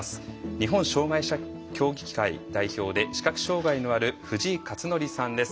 日本障害者協議会代表で視覚障害のある藤井克徳さんです。